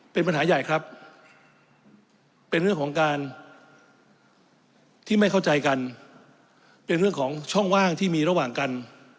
เป็นปัญหาใหญ่ครับเป็นเรื่องของการที่ไม่เข้าใจกันเป็นเรื่องของช่องว่างที่มีระหว่างกัน